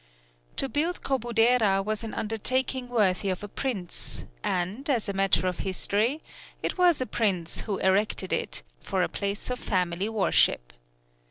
To build Kobudera was an undertaking worthy of a prince; and, as a matter of history, it was a prince who erected it, for a place of family worship.